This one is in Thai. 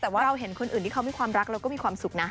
แต่ว่าเราเห็นคนอื่นที่เขามีความรักเราก็มีความสุขนะ